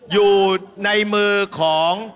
อยู่ในมือของ